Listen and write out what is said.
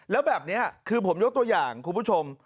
แล้วแบบนี้คือผมยกตัวอย่างคุณผู้ชม